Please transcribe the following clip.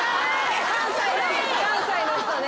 関西の人ね。